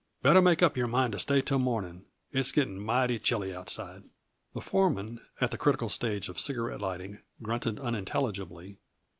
"Better make up your mind to stay till morning; it's getting mighty chilly, outside." The foreman, at the critical stage of cigarette lighting, grunted unintelligibly.